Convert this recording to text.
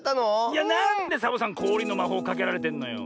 いやなんでサボさんこおりのまほうかけられてんのよ。